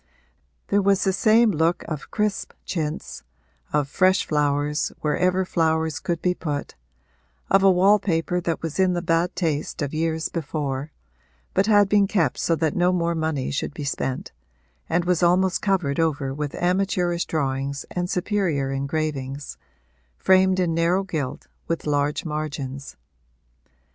There was the same look of crisp chintz, of fresh flowers wherever flowers could be put, of a wall paper that was in the bad taste of years before, but had been kept so that no more money should be spent, and was almost covered over with amateurish drawings and superior engravings, framed in narrow gilt with large margins.